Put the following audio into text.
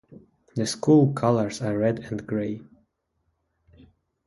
The school colors are red and gray.